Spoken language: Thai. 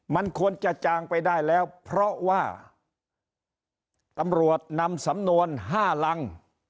มันควรจะจางไปได้แล้วเพราะว่าตำรวจนำสำนวน๕ลัง